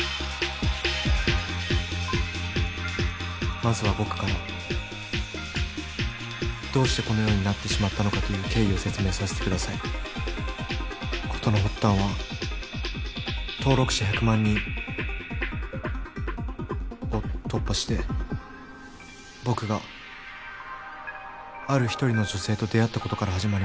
まずは僕からどうしてこのようになってしまったのかという経緯を説明させてください事の発端は登録者１００万人を突破して僕がある１人の女性と出会ったことから始まります